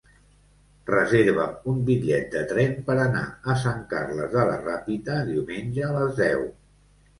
Reserva'm un bitllet de tren per anar a Sant Carles de la Ràpita diumenge a les deu.